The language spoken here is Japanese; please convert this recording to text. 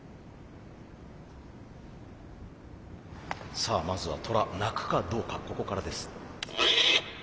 さあまずはトラ鳴くかどうかここからです。